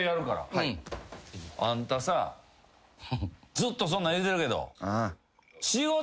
ずっとそんなん言うてるけど。